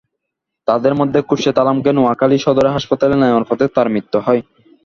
তাঁদের মধ্যে খোরশেদ আলমকে নোয়াখালী সদরে হাসপাতালে নেওয়ার পথে তাঁর মৃত্যু হয়।